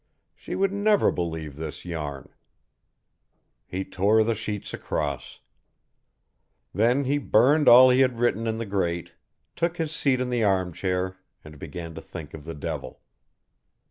She would never believe this yarn. He tore the sheets across. Then he burned all he had written in the grate, took his seat in the armchair and began to think of the devil.